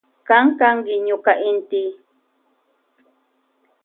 Kan kanki ñuka inti.